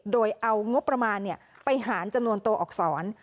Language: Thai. โดยเอางบประมาณไปหารจำนวนตัวอักษร